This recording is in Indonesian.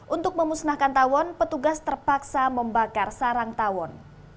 untuk memusnahkan tawon petugas terpaksa membakar sarang tawon